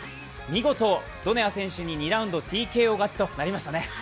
見事、ドネア選手に２ラウンド、ＴＫＯ勝ちとなりましたね。